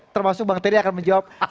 termasuk mbak artelia akan menjawab